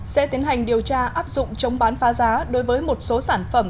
sẽ tiến hành điều tra áp dụng chống bán phá giá đối với một số sản phẩm